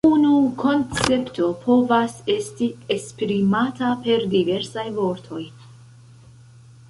Unu koncepto povas esti esprimata per diversaj vortoj.